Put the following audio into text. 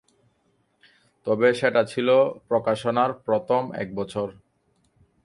তবে সেটা ছিল প্রকাশনার প্রথম এক বছর।